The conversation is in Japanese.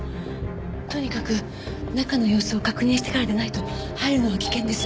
とにかく中の様子を確認してからでないと入るのは危険です。